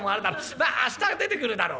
まあ明日出てくるだろう」。